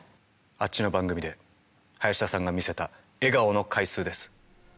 あっちの番組で林田さんが見せた笑顔の回数です。